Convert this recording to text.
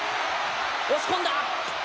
押し込んだ。